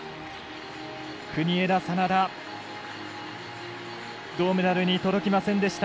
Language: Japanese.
国枝、眞田銅メダルに届きませんでした。